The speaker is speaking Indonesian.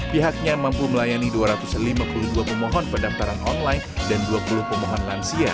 pihaknya mampu melayani dua ratus lima puluh dua pemohon pendaftaran online dan dua puluh pemohon lansia